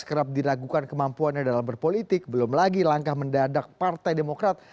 kerap diragukan kemampuannya dalam berpolitik belum lagi langkah mendadak partai demokrat